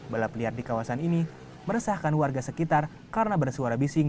balap liar di kawasan ini meresahkan warga sekitar karena bersuara bising